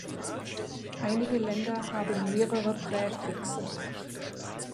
Einige Länder haben mehrere Präfixe.